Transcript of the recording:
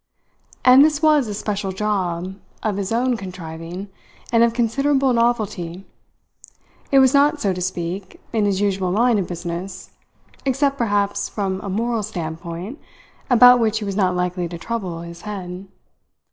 And this was a special job, of his own contriving, and of considerable novelty. It was not, so to speak, in his usual line of business except, perhaps, from a moral standpoint, about which he was not likely to trouble his head.